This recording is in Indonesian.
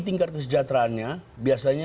tingkat kesejahteraannya biasanya